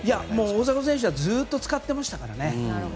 大迫選手はずっと使っていましたから。